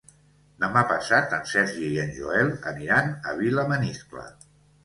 Demà passat en Sergi i en Joel aniran a Vilamaniscle.